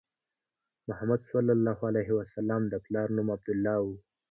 محمد صلی الله علیه وسلم د پلار نوم عبدالله و.